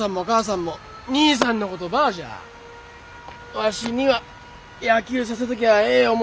わしには野球させときゃあええ思